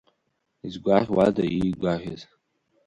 Изгәаӷьуада иигәаӷьыз?!